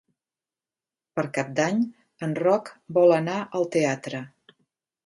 Per Cap d'Any en Roc vol anar al teatre.